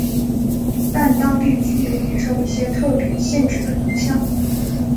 但当地居民也受一些特别限制的影响。